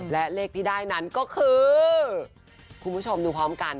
และเลขที่ได้นั้นก็คือคุณผู้ชมดูพร้อมกัน